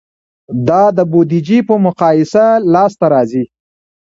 دا د بودیجې په مقایسه لاسته راځي.